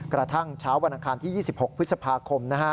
กระทั่งเช้าวันอังคารที่๒๖พฤษภาคม